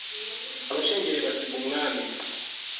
abashengereye basiga umwami